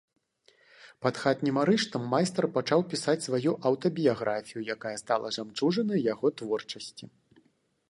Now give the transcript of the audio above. Пад хатнім арыштам майстар пачаў пісаць сваю аўтабіяграфію, якая стала жамчужынай яго творчасці.